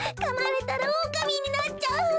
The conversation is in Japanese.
かまれたらおおかみになっちゃう。